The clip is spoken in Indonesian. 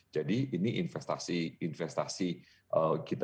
jadi ini investasi kita yang sukses dalam hilirisasi dari tersebut